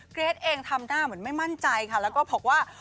เกรทเองทำหน้าเหมือนไม่มั่นใจค่ะแล้วก็บอกว่า